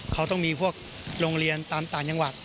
เขาต้องมีพวกโรงเรียนตามต่างจังหวัด